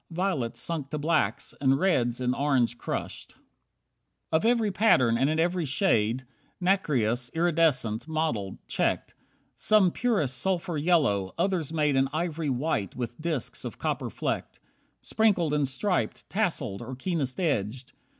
Violets sunk to blacks, and reds in orange crushed. 32 Of every pattern and in every shade. Nacreous, iridescent, mottled, checked. Some purest sulphur yellow, others made An ivory white with disks of copper flecked. Sprinkled and striped, tasselled, or keenest edged.